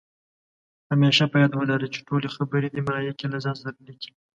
همېشه په یاد ولره، چې ټولې خبرې دې ملائکې له ځان سره لیکي